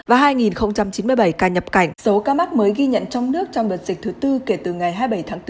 và hai chín mươi bảy ca nhập cảnh số ca mắc mới ghi nhận trong nước trong đợt dịch thứ tư kể từ ngày hai mươi bảy tháng bốn